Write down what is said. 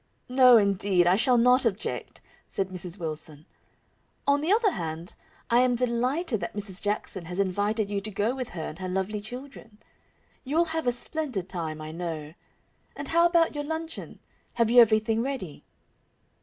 "No, indeed, I shall not object," said Mrs. Wilson. "On the other hand, I am delighted that Mrs. Jackson has invited you to go with her and her lovely children. You will have a splendid time, I know. And how about your luncheon? Have you everything ready?"